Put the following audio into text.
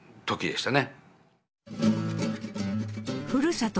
ふるさと